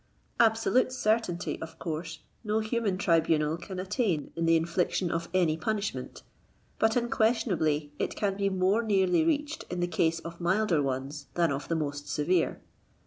Absolute certainty, of course, no human tribunal can attain in the infliction of any punishment, but unquestionably it can be more nearly reached in the case of milder ones than of the most severe.